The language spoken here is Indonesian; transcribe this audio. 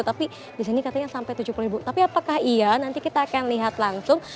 tapi di sini katanya sampai tujuh puluh ribu tapi apakah iya nanti kita akan lihat langsung